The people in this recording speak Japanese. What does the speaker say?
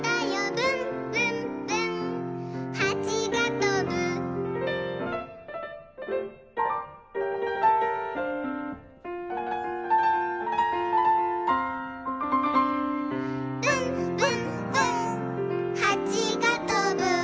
「ぶんぶんぶんはちがとぶ」「ぶんぶんぶんはちがとぶ」